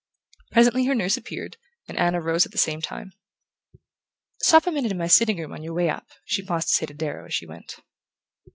Presently her nurse appeared, and Anna rose at the same time. "Stop a minute in my sitting room on your way up," she paused to say to Darrow as she went.